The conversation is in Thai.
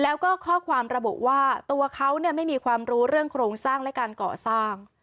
แล้วก็ข้อความระบุว่าตัวเขาไม่มีความรู้เรื่องโครงสร้างและการก่อสร้าง